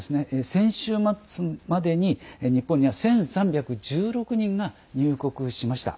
先週末までに日本には１３１６人が入国しました。